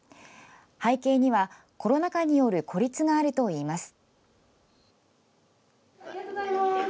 背景にはコロナ禍による孤立があるといいます。